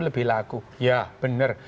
lebih laku ya benar